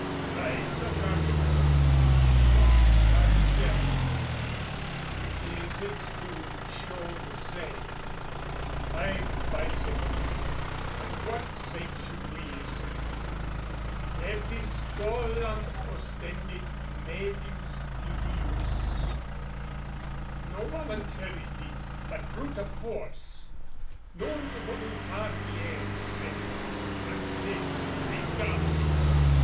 By such argument, Ita pariter, she seeks to show the same, (Ay, by Saint Joseph and what saints you please) Epistolam ostendit, medius fidius, No voluntary deed but fruit of force! Non voluntarie sed coacte scriptam!